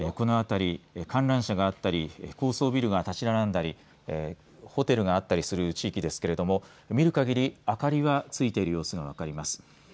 この辺り観覧車があったり高層ビルが建ち並んだりホテルがあったりする地域ですけれども見るかぎり明かりはついている様子が分かります。